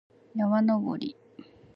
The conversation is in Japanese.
山登り